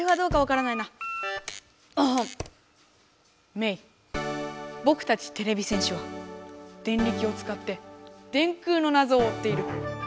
メイぼくたちてれび戦士はデンリキをつかって電空のなぞをおっている！